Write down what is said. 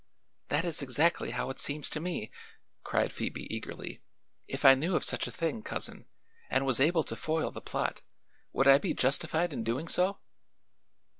"That is exactly how it seems to me!" cried Phoebe eagerly. "If I knew of such a thing, Cousin, and was able to foil the plot, would I be justified in doing so?"